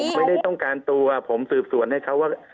ไม่ได้ต้องการตัวผมสืบสวนให้เขาว่า